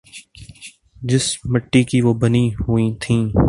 جس مٹی کی وہ بنی ہوئی تھیں۔